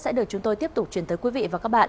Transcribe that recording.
sẽ được chúng tôi tiếp tục chuyển tới quý vị và các bạn